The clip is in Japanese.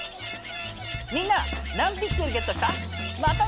みんな何ピクセルゲットした？